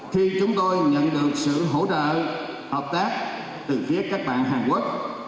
khi chúng tôi nhận được sự hỗ trợ hợp tác từ phía các bạn hàn quốc